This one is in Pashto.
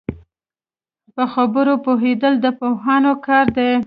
په خبرو پوهېدل د پوهانو کار دی